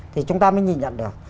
thì chúng ta mới nhìn nhận được